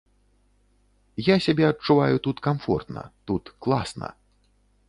Я сябе адчуваю тут камфортна, тут класна.